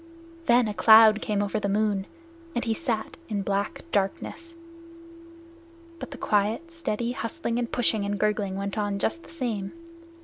Then a cloud came over the moon, and he sat in black darkness. But the quiet, steady hustling and pushing and gurgling went on just the same.